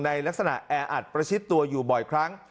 ในลักษณะแออัดประชิดตัวอยู่บ่อยครั้ง